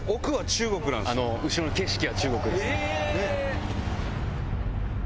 後ろの景色は中国です。